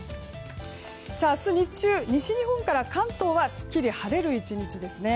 明日日中、西日本から関東はすっかり晴れる１日です。